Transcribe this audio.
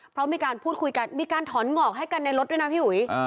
เพราะมีการพูดคุยกันมีการถอนงอกให้กันในรถด้วยนะพี่หุย